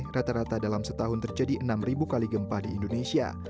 rata rata dalam setahun terjadi enam kali gempa di indonesia